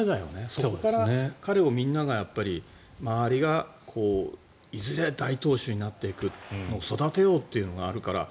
そこから周りがいずれ大投手になっていく育てようというのがあるから。